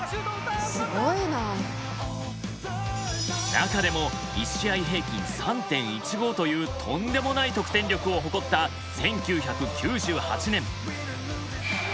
中でも１試合平均３．１５というとんでもない得点力を誇った１９９８年。